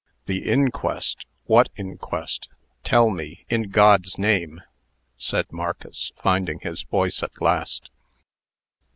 "The inquest! what inquest? Tell me, in God's name!" said Marcus, finding his voice at last.